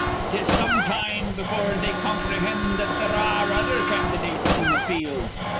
"'Tis some time befure they comprehind that there ar re other candydates in th' field.